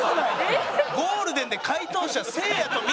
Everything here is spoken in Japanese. ゴールデンで解答者せいやとみちょぱ！？